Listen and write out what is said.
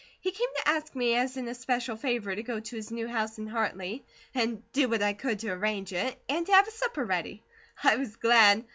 He came to ask me as an especial favour to go to his new house in Hartley, and do what I could to arrange it, and to have a supper ready. I was glad.